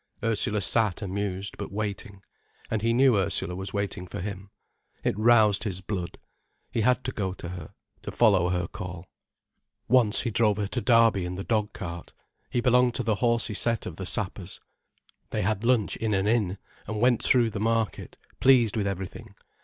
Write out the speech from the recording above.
Ursula sat amused, but waiting. And he knew Ursula was waiting for him. It roused his blood. He had to go to her, to follow her call. Once he drove her to Derby in the dog cart. He belonged to the horsey set of the sappers. They had lunch in an inn, and went through the market, pleased with everything.